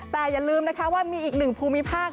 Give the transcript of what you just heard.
แต่อย่าลืมนะคะว่ามีอีกหนึ่งภูมิภาค